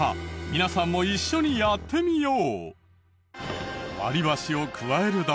皆さんも一緒にやってみよう！